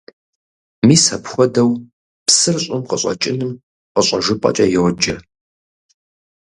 Мис апхуэдэу псыр щӀым къыщӀэкӀыным къыщӀэжыпӀэкӀэ йоджэ.